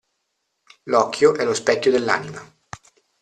L'occhio è lo specchio dell'anima.